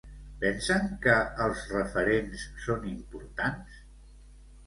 Pensen que els referents són importants?